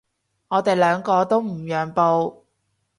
我哋兩個都唔讓步